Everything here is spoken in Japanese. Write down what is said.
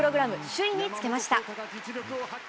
首位につけました。